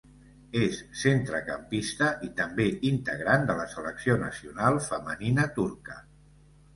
És centrecampista i també integrant de la selecció nacional femenina turca.